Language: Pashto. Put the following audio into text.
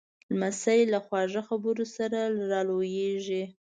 لمسی له خواږه خبرو سره را لویېږي.